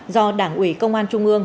do đảng ủy công an trung ương